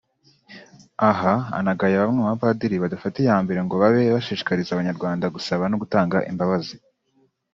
Aha anagaya bamwe mu bapadiri badafata iya mbere ngo babe bashishikariza Abanyarwanda gusaba no gutanga imbabazi